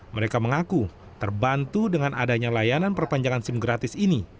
mereka mengaku terbantu dengan adanya layanan perpanjangan sim gratis ini